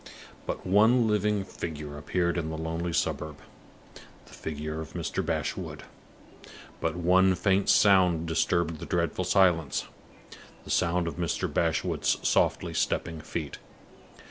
But one living figure appeared in the lonely suburb the figure of Mr. Bashwood. But one faint sound disturbed the dreadful silence the sound of Mr. Bashwood's softly stepping feet.